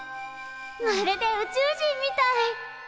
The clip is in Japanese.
まるで宇宙人みたい。